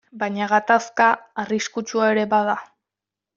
Baina gatazka arriskutsua ere bada.